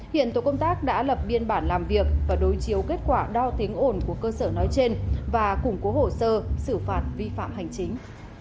hiện tổ công tác đã lập biên bản làm việc và đối chiếu kết quả đo tiếng ồn của cơ sở nói trên và củng cố hồ sơ xử phạt vi phạm hành chính